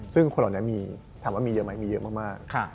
ซึ่งคนเหล่านั้นมีถามว่ามีเยอะไหมมีเยอะมาก